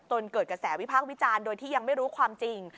เกิดกระแสวิพากษ์วิจารณ์โดยที่ยังไม่รู้ความจริง